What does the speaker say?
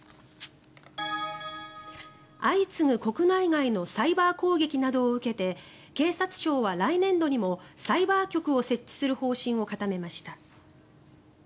相次ぐ国内外のサイバー攻撃などを受けて警察庁は来年度にもサイバー局を設置する方針を固めました。